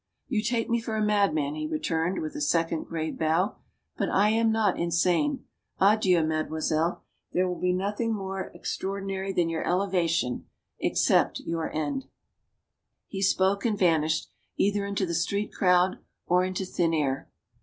"You take me for a madman," he returned, with a second grave bow. "But I am not insane. Adieu, mademoiselle. There will be nothing more extraord inary than your elevation except your end." 184 STORIES OF THE SUPER WOMEN He spoke and vanished, either into the street crowd or into thin air.